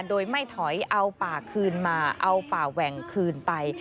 โดยไม่ถอยเอาป่าคืนมาเอาป่าแหว่งคืนไป